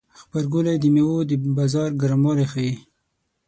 غبرګولی د میوو د بازار ګرموالی ښيي.